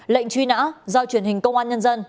lệnh truy nã do truyền hình công an nhân dân